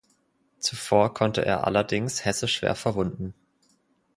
Zuvor konnte er allerdings Hesse schwer verwunden.